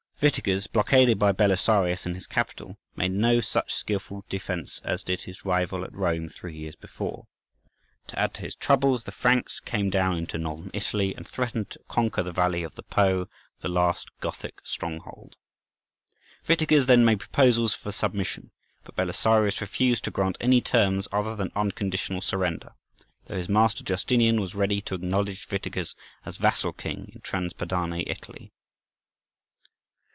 Witiges, blockaded by Belisarius in his capital, made no such skilful defence as did his rival at Rome three years before. To add to his troubles, the Franks came down into Northern Italy, and threatened to conquer the valley of the Po, the last Gothic stronghold. Witiges then made proposals for submission; but Belisarius refused to grant any terms other than unconditional surrender, though his master Justinian was ready to acknowledge Witiges as vassal king in Trans Padane Italy.